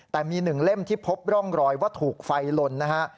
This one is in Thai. แต่มี๑เล่มที่พบร่องรอยว่าถูกไฟลนนะฮะ